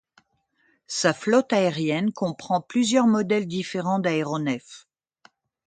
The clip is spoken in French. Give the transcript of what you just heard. Sa flotte aérienne comprend plusieurs modèles différents d'aéronefs.